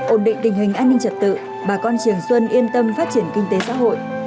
ổn định tình hình an ninh trật tự bà con trường xuân yên tâm phát triển kinh tế xã hội